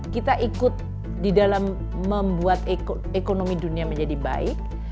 kita ikut di dalam membuat ekonomi dunia menjadi baik